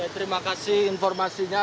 terima kasih informasinya